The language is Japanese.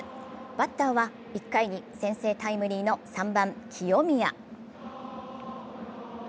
バッターは１回に先制タイムリーの３番・清宮。